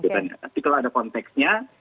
tapi kalau ada konteksnya